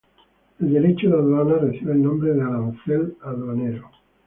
El derecho de aduana recibe el nombre de "arancel aduanero".